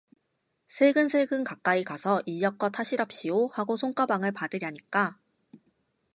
슬근슬근 가까이 가서 인력거 타시랍시요 하고 손가방을 받으랴니까